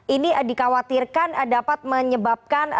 ini dikhawatirkan dapat menyebabkan